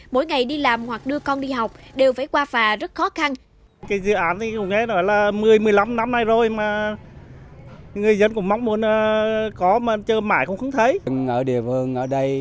mỗi ngày đi làm hoặc đưa con đi học đều phải qua phà rất khó khăn